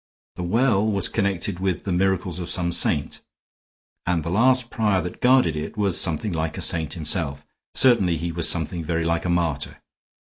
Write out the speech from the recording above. The well was connected with the miracles of some saint, and the last prior that guarded it was something like a saint himself; certainly he was something very like a martyr.